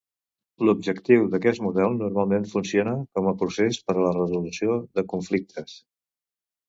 L'objectiu d'aquest model normalment funciona com a procés per a la resolució de conflictes.